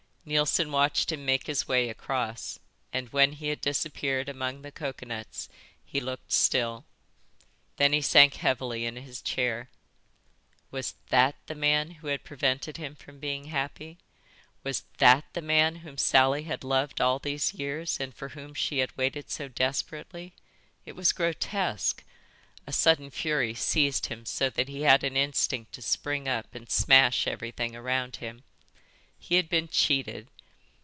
Neilson watched him make his way across and when he had disappeared among the coconuts he looked still. Then he sank heavily in his chair. Was that the man who had prevented him from being happy? Was that the man whom Sally had loved all these years and for whom she had waited so desperately? It was grotesque. A sudden fury seized him so that he had an instinct to spring up and smash everything around him. He had been cheated.